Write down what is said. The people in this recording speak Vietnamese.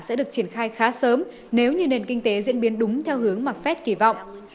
sẽ được triển khai khá sớm nếu như nền kinh tế diễn biến đúng theo hướng mà fed kỳ vọng